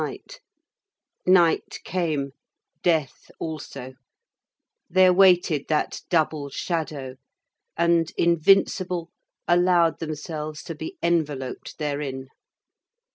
Night came, death also; they awaited that double shadow, and, invincible, allowed themselves to be enveloped therein.